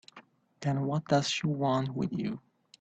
Then what does she want with you?